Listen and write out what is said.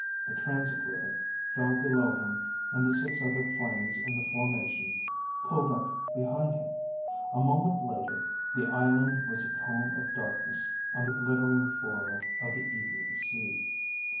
The transit ribbon fell below him and the six other planes in the formation pulled up behind him. A moment later the island was a comb of darkness on the glittering foil of the evening sea.